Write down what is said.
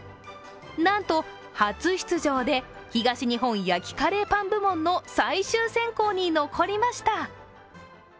なんと初出場で東日本焼きカレーパン部門の最終選考に残りました。